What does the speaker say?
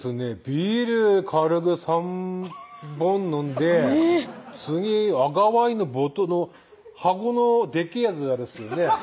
ビール軽く３本飲んで次赤ワインの箱のでっけぇやつあるっすよね